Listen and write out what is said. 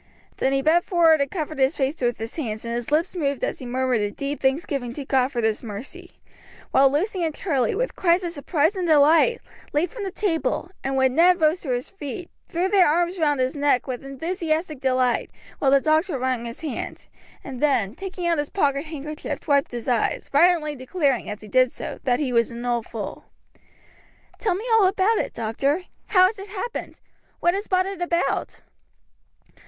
Then he bent forward and covered his face with his hands, and his lips moved as he murmured a deep thanksgiving to God for this mercy, while Lucy and Charlie, with cries of surprise and delight, leaped from the table, and when Ned rose to his feet, threw their arms round his neck with enthusiastic delight; while the doctor wrung his hand, and then, taking out his pocket handkerchief, wiped his eyes, violently declaring, as he did so, that he was an old fool. "Tell me all about it, doctor. How has it happened? What has brought it about?"